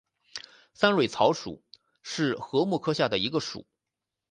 三蕊草属是禾本科下的一个属。